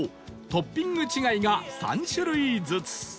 トッピング違いが３種類ずつ